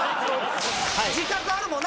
自覚あるもんな？